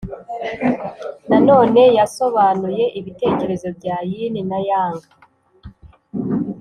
nanone yasobanuye ibitekerezo bya yin na yang,